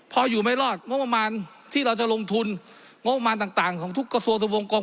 พออยู่ไม่รอดงงมาที่เราจะลงทุนงงมาต่างของทุกการย์สวทวงกลม